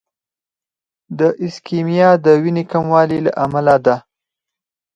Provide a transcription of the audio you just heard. د ایسکیمیا د وینې کموالي له امله ده.